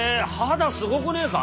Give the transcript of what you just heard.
肌すごくねえか？